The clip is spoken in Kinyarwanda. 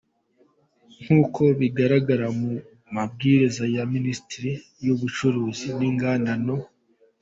Nk’uko bigaragara mu mabwiriza ya Minisiteri y’Ubucuruzi n’Inganda No.